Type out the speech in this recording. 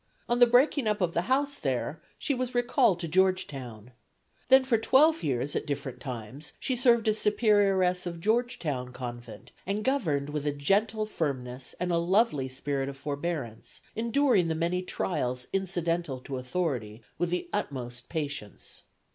On the breaking up of the house there she was recalled to Georgetown. Then for twelve years at different times she served as Superioress of Georgetown Convent and governed with a gentle firmness and a lovely spirit of forebearance; enduring the many trials incidental to authority with the utmost patience.